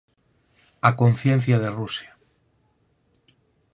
A conciencia de Rusia